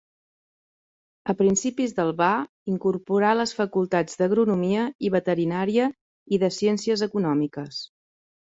A principis del va incorporar les facultats d'Agronomia i Veterinària i de Ciències Econòmiques.